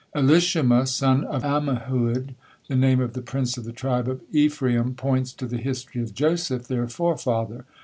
Elishama, son of Ammihud, the name of the prince of the tribe of Ephraim, points to the history of Joseph, their forefather.